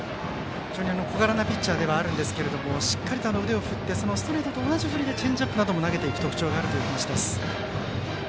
非常に小柄なピッチャーではあるんですけれどもしっかりと腕を振ってストレートと同じ振りでチェンジアップなど投げていく特徴があるという話。